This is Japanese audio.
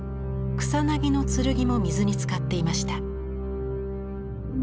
「草薙の剣」も水につかっていました。